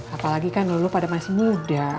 apalagi kan lulu pada masih muda